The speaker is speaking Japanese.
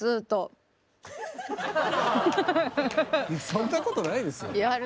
そんなことないですよ。